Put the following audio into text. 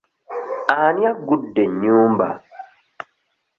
Ani aggudde ennyumba?